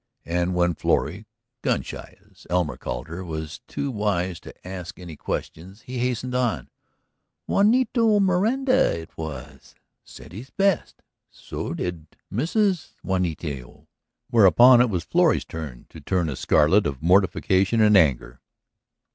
And when Florrie, "gun shy" as Elmer called her, was too wise to ask any questions, he hastened on: "Juanito Miranda it was. Sent his best. So did Mrs. Juanito." Whereupon it was Florrie's turn to turn a scarlet of mortification and anger.